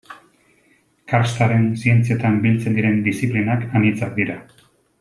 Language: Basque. Karstaren zientzietan biltzen diren diziplinak anitzak dira.